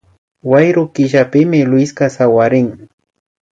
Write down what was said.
Wayru killapimi Luiska sawarin